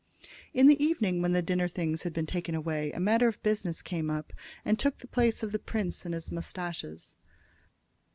In the evening, when the dinner things had been taken away, a matter of business came up, and took the place of the prince and his mustaches.